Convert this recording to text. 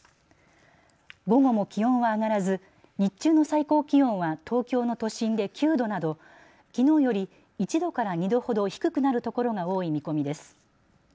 午後も気温は上がらず日中の最高気温は東京の都心で９度などきのうより１度から２度ほど低くなるところが多い見込みです。